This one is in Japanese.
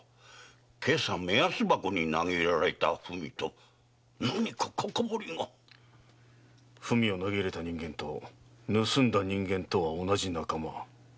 今朝目安箱に投げ入れられた文と何かかかわりが⁉文を投げ入れた人間と盗んだ人間とは同じ仲間。